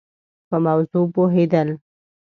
په موضوع پوهېد ل